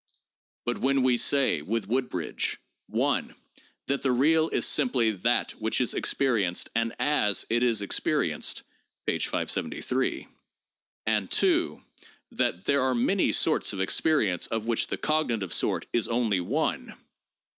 But when we say, with Wood bridge, (1) that 'the real is simply that which is experienced and as it is experienced' (p. 573), and (2) that 'there are many sorts of experience of which the cognitive sort is only one' (p.